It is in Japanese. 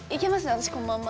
私このまんま。